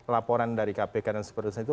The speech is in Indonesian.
laporan dari kpk dan seterusnya itu